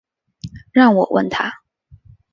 让我问他